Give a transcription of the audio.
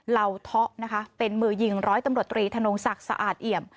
เหล่าเทาะนะคะเป็นมือยิงร้อยตำรวจตรีธนงศักดิ์สะอาดเอี่ยม